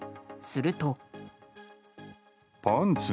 すると。